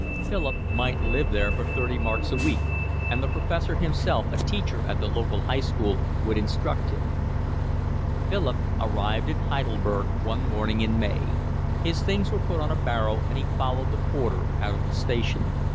Philip might live there for thirty marks a week, and the Professor himself, a teacher at the local high school, would instruct him. Philip arrived in Heidelberg one morning in May. His things were put on a barrow and he followed the porter out of the station.